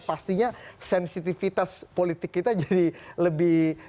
pastinya sensitivitas politik kita jadi lebih